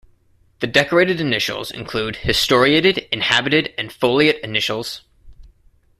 The decorated initials include historiated, inhabited, and foliate initials.